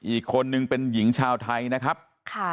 อีกคนนึงเป็นหญิงชาวไทยนะครับค่ะ